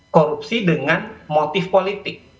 korupsi dengan motif politik